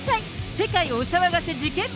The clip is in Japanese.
世界お騒がせ事件簿